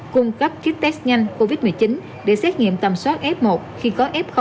cung cấp kit test nhanh covid một mươi chín để xét nghiệm tầm soát f một khi có f